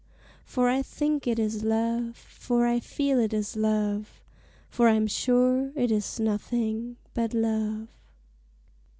For I think it is Love, For I feel it is Love, For I'm sure it is nothing but Love!